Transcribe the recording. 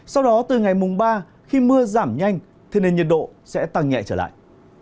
sau đó từ ngày mùng ba khi mưa giảm nhanh thì nền nhiệt độ sẽ tăng nhẹ trở lại